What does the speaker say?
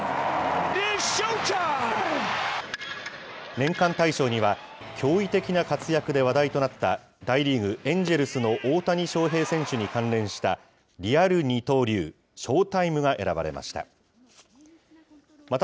年間大賞には、驚異的な活躍で話題となった、大リーグ・エンジェルスの大谷翔平選手に関連した、リアル二刀流／ショータイムが選ばれました。